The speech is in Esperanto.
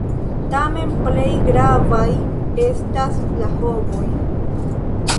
Tamen plej gravaj estas la homoj.